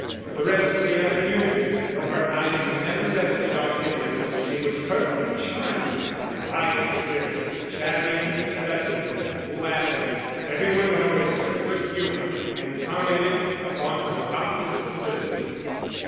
For the rest of the afternoon, though her eyes never rested on Edward, she was perfectly charming in the highest spirits, chattering incessantly, laughing; every one noticed her good humour and commented upon her obvious felicity.